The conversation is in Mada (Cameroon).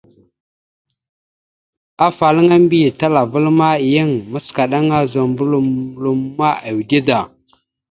Afalaŋa mbiyez talaval ma, yan macəkana zuməɓlom loma, ʉde da.